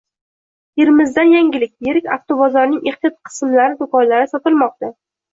Termizdan yangilik! Yirik avtobozorning ehtiyot qismlari do‘konlari sotilmoqda